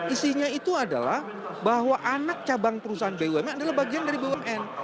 isinya itu adalah bahwa anak cabang perusahaan bumn adalah bagian dari bumn